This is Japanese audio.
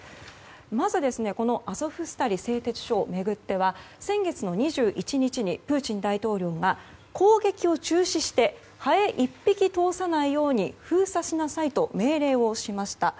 まずアゾフスタリ製鉄所を巡っては先月の２１日にプーチン大統領が攻撃を中止してハエ１匹通さないように封鎖しなさいと命令をしました。